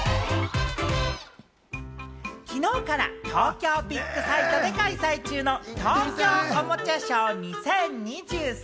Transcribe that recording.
きのうから東京ビッグサイトで開催中の東京おもちゃショー２０２３。